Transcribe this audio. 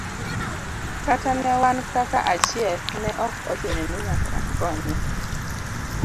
Kata ne wan kaka achiel ne ok ochuno ni nyaka akonye.